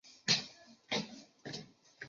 再不走就来不及了